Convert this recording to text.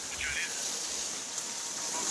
دا کیسې د ژبې په زده کړه کې مرسته کوي.